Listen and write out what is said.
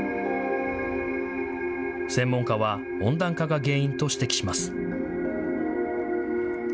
専門家は温暖化が原因と指摘します。